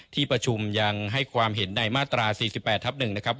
ที่ประชุมยังให้ความเห็นในมาตรา๔๘ทับ๑นะครับ